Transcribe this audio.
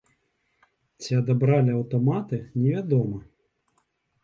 Ці адабралі аўтаматы, невядома.